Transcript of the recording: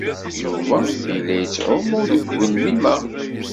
Yuba yella yettɛumu deg ugelmim-a.